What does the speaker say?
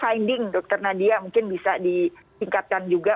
sending dr nadia mungkin bisa diingkatkan juga